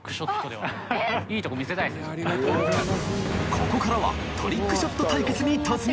磴海海蕕トリックショット対決に突入！